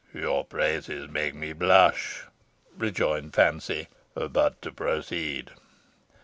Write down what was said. "Your praises make me blush," rejoined Fancy. "But to proceed.